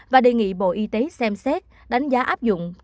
và đề nghị bộ y tế xem xét đánh giá áp dụng